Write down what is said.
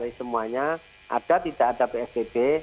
ada atau tidak ada psbb